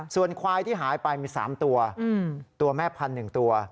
ส่วนควายที่หายไปมี๓ตัวตัวแม่พันธุ์๑ตัว